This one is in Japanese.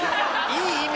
いい意味。